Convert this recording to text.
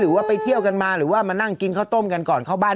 หรือว่าไปเที่ยวกันมาหรือว่ามานั่งกินข้าวต้มกันก่อนเข้าบ้าน